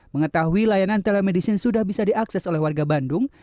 mengetahui layanan telemedicine sudah bisa diakses oleh warga bandung